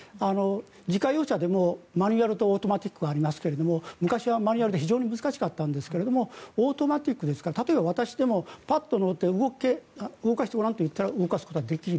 自家用車でもマニュアルとオートマティックがありますが昔はマニュアルで非常に難しかったんですがオートマティックですから例えば、私でもパッと乗って動かしてごらんといったら動かすことができる。